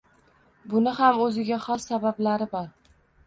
Buni ham o‘ziga xos sabablari bor.